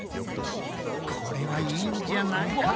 これはいいんじゃないか？